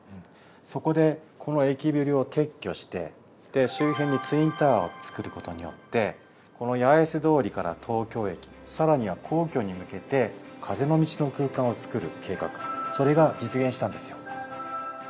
そこでこの駅ビルを撤去して周辺にツインタワーを作ることによってこの八重洲通りから東京駅さらには皇居に向けて風の道の空間を作る計画それが実現したんですよ。